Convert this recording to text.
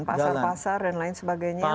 pasar pasar dan lain sebagainya